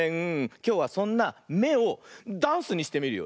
きょうはそんな「め」をダンスにしてみるよ。